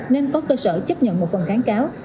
nên có cơ sở chấp nhận một phần kháng cáo